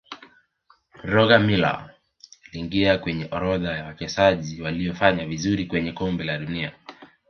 roger miller aliingia kwenye orodha ya Wachezaji waliofanya vizuri kwenye kombe la dunia